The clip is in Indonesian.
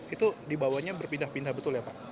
itu dibawanya berpindah pindah betul ya pak